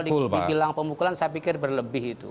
jadi kalau dibilang pemukulan saya pikir berlebih itu